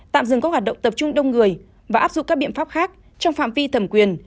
tạm dừng các hoạt động tập trung đông người và áp dụng các biện pháp khác trong phạm vi thẩm quyền